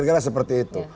akhirnya seperti itu